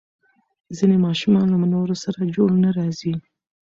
ځینې ماشومان له نورو سره جوړ نه راځي.